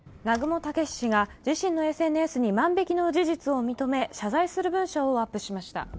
南雲タケシ氏が自身のＳＮＳに万引きの事実を認め謝罪する文章をアップしました。